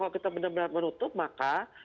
kalau kita benar benar menutup maka